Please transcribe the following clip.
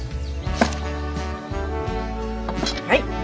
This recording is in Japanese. はい。